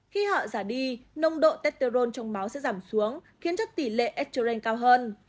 khi họ giả đi nông độ teterone trong máu sẽ giảm xuống khiến chất tỉ lệ estrogen cao hơn